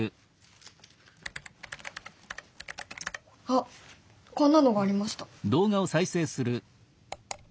あっこんなのがありました。